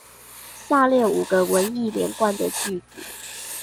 下列五個文意連貫的句子